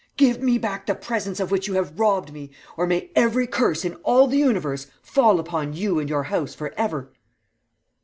Give me back the presence of which you have robbed me, or may every curse in all the universe fall upon you and your house for ever.'